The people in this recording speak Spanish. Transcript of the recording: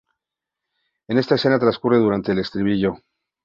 Esta escena transcurre durante el estribillo.